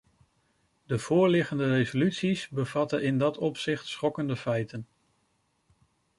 De voorliggende resoluties bevatten in dat opzicht schokkende feiten.